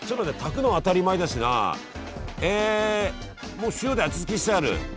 もう塩で味付けしてある。